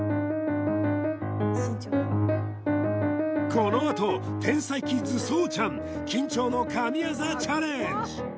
このあと天才キッズそうちゃん緊張の神業チャレンジ